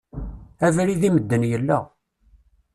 Abrid i medden yella.